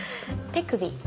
手首。